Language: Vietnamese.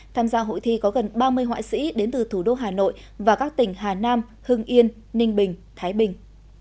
tham gia hội thi có gần ba mươi họa sĩ đến từ thủ đô hà nội và các tỉnh hà nam hưng yên ninh bình thái bình